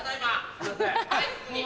すいません。